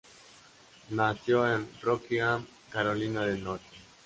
Nació en Rockingham, Carolina del Norte.